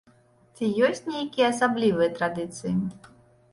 Ці ёсць нейкія асаблівыя традыцыі?